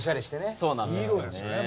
そうなんですよね。